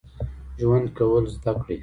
ژوند کول زده کړئ